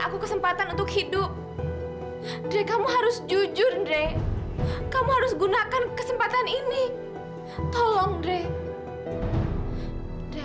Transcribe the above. aku kesempatan untuk hidup deh kamu harus jujur deh kamu harus gunakan kesempatan ini tolong deh